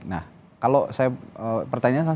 nah kalau saya pertanyakan